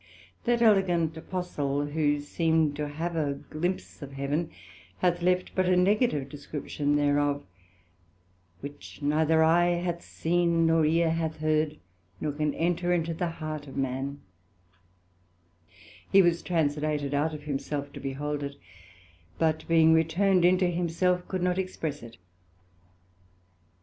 That elegant Apostle which seemed to have a glimpse of Heaven, hath left but a negative description thereof; which neither eye hath seen, nor ear hath heard, nor can enter into the heart of man: he was translated out of himself to behold it; but being returned into himself, could not express it.